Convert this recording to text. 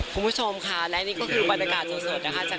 คุณผู้ชมค่ะและนี่ก็คือบรรษการเจ้าสดจาก